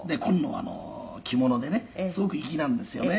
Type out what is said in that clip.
紺の着物でねすごく粋なんですよね」